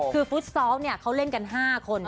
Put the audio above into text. คือฟุตซอลเขาเล่นกัน๕คน